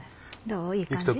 どういい感じ？